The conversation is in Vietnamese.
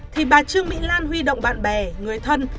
thì bà trương mỹ lan huy động bạn bè người thân